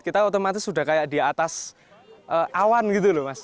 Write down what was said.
kita otomatis sudah kayak di atas awan gitu loh mas